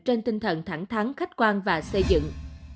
trên tinh thần thẳng thắng khách quan và xây dựng